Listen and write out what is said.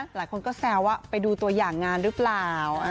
หลายคนก็แซวว่าไปดูตัวอย่างงานหรือเปล่า